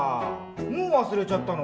もう忘れちゃったの？